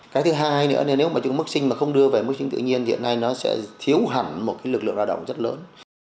cái thứ hai nữa nếu mà mức sinh không đưa về mức sinh tự nhiên thì hiện nay nó sẽ thiếu hẳn một lực lượng lao động rất lớn